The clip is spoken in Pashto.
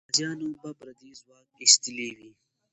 غازیانو به پردی ځواک ایستلی وي.